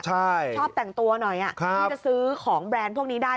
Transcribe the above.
ใช่ชอบแต่งตัวหน่อยที่จะซื้อของแบรนด์พวกนี้ได้